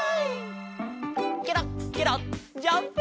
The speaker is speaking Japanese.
ケロッケロッジャンプ！